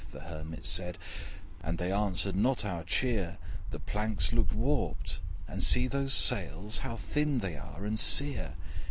the Hermit said 'And they answered not our cheer! The planks looked warped! and see those sails, How thin they are and sere!